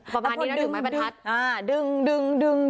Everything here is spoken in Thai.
ประมาณนี้ได้ถึงไหมแปนทัศน์